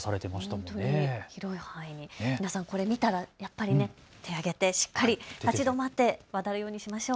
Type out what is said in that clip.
本当に広い範囲に皆さんこれを見たらやっぱり手を上げて立ち止まって渡るようにしましょう。